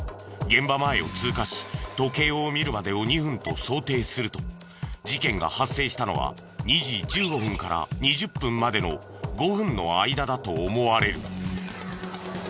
現場前を通過し時計を見るまでを２分と想定すると事件が発生したのは２時１５分から２０分までの５分の間だと思われる。